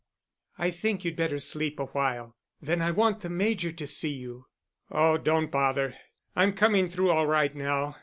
"I think you'd better sleep a while, then I want the Major to see you." "Oh, don't bother; I'm coming through all right, now.